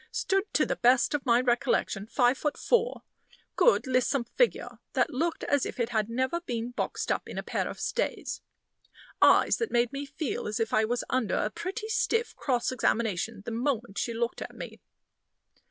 Stood, to the best of my recollection, five foot four. Good lissom figure, that looked as if it had never been boxed up in a pair of stays. Eyes that made me feel as if I was under a pretty stiff cross examination the moment she looked at me.